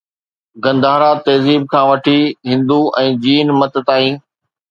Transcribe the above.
گنڌارا تهذيب کان وٺي هندو ۽ جين مت تائين